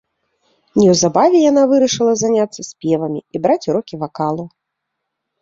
Неўзабаве яна вырашыла заняцца спевамі і браць урокі вакалу.